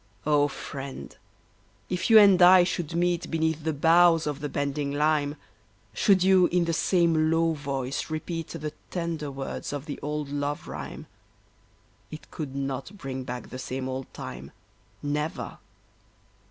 Oh, friend, if you and I should meet Beneath the boughs of the bending lime, Should you in the same low voice repeat The tender words of the old love rhyme, It could not bring back the same old time, Never.